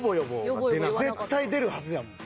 絶対出るはずやもん。